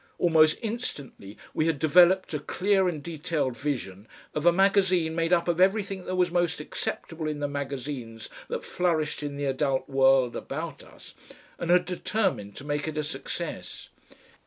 Almost instantly we had developed a clear and detailed vision of a magazine made up of everything that was most acceptable in the magazines that flourished in the adult world about us, and had determined to make it a success.